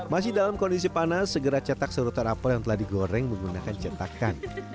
masih dalam kondisi panas segera cetak serutan apel yang telah digoreng menggunakan cetakan